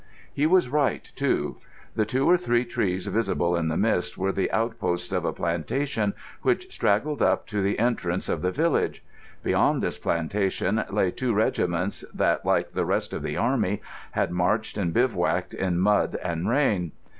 He was right, too. The two or three trees visible in the mist were the outposts of a plantation which straggled up to the entrance of the village. Beyond this plantation lay two regiments that, like the rest of the army, had marched and bivouacked in mud and rain.